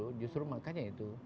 justru justru makanya itu